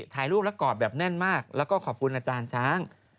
ถ่ายรูปและกอบแน่นมากก็ขอบคุณอชว่า